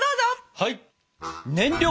はい！